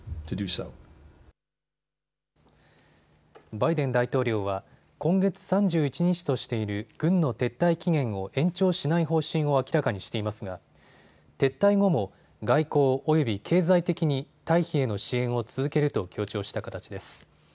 バイデン大統領は今月３１日としている軍の撤退期限を延長しない方針を明らかにしていますが撤退後も外交および経済的に退避への支援を続けると強調した形です。